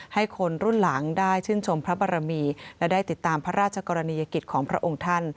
ให้คนรุ่นหลังได้ชื่นชมพระบรมีและได้ติดตามพระราชกรณียกิจของพระองค์ท่าน